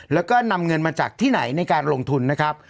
แล้วก็นำเงินมาจากที่ไหนในการลงทุนนะครับ